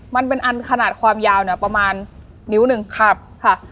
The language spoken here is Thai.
มันเป็นอันขนาดความยาวเนี่ยประมาณนิ้วหนึ่งครับค่ะ